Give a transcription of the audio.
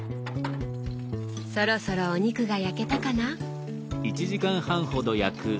そろそろお肉が焼けたかな？